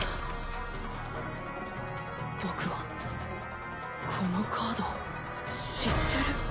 僕はこのカードを知ってる？